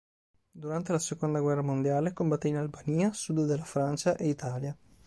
Durante la seconda guerra mondiale combatté in Albania, sud della Francia e Italia.